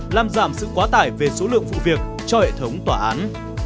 làm giảm sự quá tải về số lượng vụ việc cho hệ thống tòa án